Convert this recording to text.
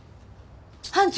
班長！